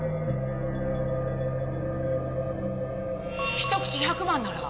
１口１００万なら。